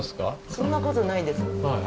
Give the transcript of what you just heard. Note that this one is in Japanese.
そんなことないですか？